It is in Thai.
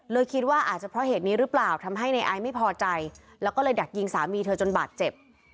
คิดว่าอาจจะเพราะเหตุนี้หรือเปล่าทำให้ในไอซ์ไม่พอใจแล้วก็เลยดักยิงสามีเธอจนบาดเจ็บ